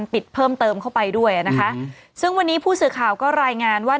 ปิดเพิ่มเติมเข้าไปด้วยนะคะซึ่งวันนี้ผู้สื่อข่าวก็รายงานว่า